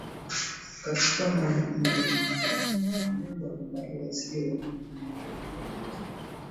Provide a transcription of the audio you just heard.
katika maeneo mbalimbali ya ziwa na maeneo yanayolizunguka